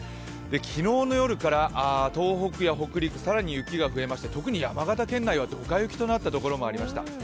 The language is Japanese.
昨日の夜から東北や北陸、更に雪が増えまして特に山形県内はドカ雪となったところもありました。